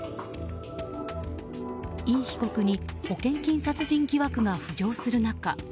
イ被告に保険金殺人疑惑が浮上する中